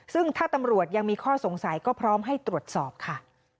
ซึ่งถ้าตำรวจยังมีข้อสงสัยก็พร้อมให้ตรวจสอบค่ะ